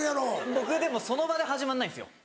僕でもその場で始まんないんですよ。